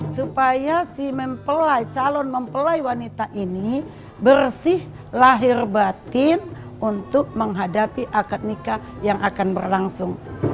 supaya si calon mempelai wanita ini bersih lahir batin untuk menghadapi akad nikah yang akan berlangsung